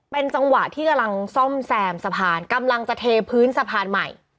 เป็นจังหวะที่กำลังซ่อมแซมสะพานกำลังจะเทพื้นสะพานใหม่